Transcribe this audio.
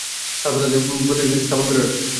তারপর তাতে তার প্রতিকৃতি স্থাপন করে রাখত।